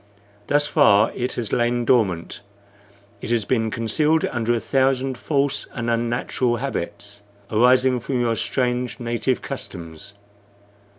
Thus far it has lain dormant; it has been concealed under a thousand false and unnatural habits, arising from your strange native customs.